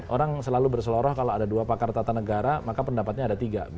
orang selalu berseloroh kalau ada dua pakar tata negara maka pendapatnya ada tiga